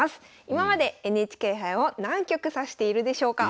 今までＮＨＫ杯を何局指しているでしょうか？